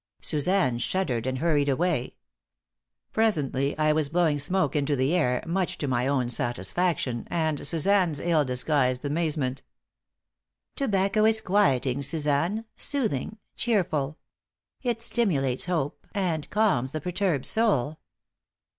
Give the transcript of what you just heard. Suzanne shuddered and hurried away. Presently I was blowing smoke into the air, much to my own satisfaction and to Suzanne's ill disguised amazement. "Tobacco is quieting, Suzanne; soothing, cheerful. It stimulates hope and calms the perturbed soul.